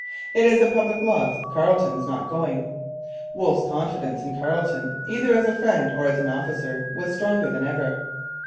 It is a public loss Carleton's not going.' Wolfe's confidence in Carleton, either as a friend or as an officer, was stronger than ever.